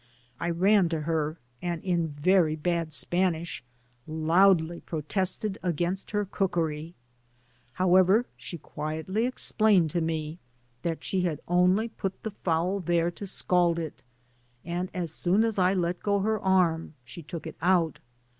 I ran to her, and, in very bad Spanish, loudly protested against her cookery; however, she quietly explained to me that she had only put the fowl there to scald it, and as soon as I let go her arm she took it out.